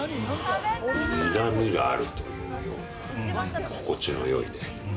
苦味があるというような心地の良い。